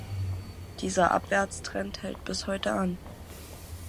Dieser Abwärtstrend hält bis heute an.